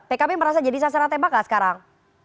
pkb merasa jadi sasaran tembak nggak sekarang